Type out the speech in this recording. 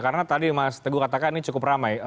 karena tadi mas teguh katakan ini cukup ramai